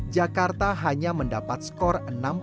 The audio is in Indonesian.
jakarta hanya mendapat skor enam puluh dua dua puluh lima